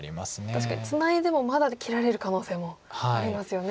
確かにツナいでもまだ切られる可能性もありますよね。